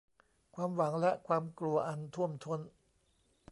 "ความหวังและความกลัวอันท่วมท้น"